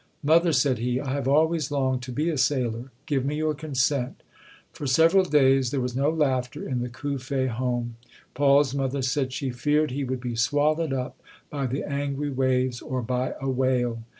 "Mother", said he, "I have always longed to be a sailor. Give me your consent." For several days there was no laughter in the Cuffe home. Paul's mother said she feared he would be swallowed up by the angry waves or by a whale.